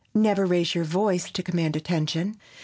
Never raise your voice to command attention.